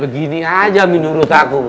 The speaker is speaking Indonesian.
begini aja menurut aku